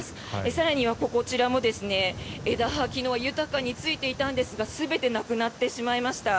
更には、こちらも枝葉昨日は豊かについていたんですが全てなくなってしまいました。